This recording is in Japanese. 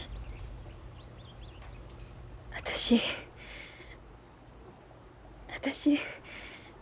私私。